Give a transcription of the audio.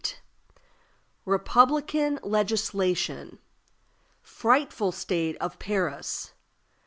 Republican Legislation. Frightful state of Paris.